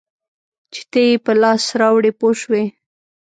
چې ته یې په لاس راوړې پوه شوې!.